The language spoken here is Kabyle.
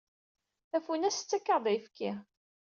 Tafunast tettak-aɣ-d ayefki.